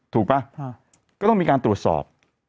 ถูกป่ะก็ต้องมีการตรวจสอบ